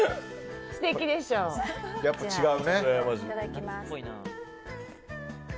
やっぱ違うね。